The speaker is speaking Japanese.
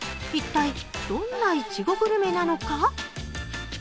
一体どんないちごグルメなのか？